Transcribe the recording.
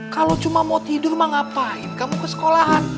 kalau cuma mau tidur mah ngapain kamu kesekolahan